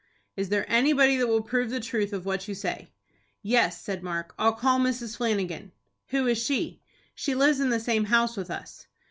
"Is there anybody that will prove the truth of what you say?" "Yes," said Mark, "I'll call Mrs. Flanagan." "Who is she?" "She lives in the same house with us."